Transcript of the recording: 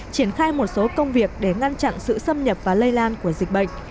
triển khai một số công việc để ngăn chặn sự xâm nhập và lây lan của dịch bệnh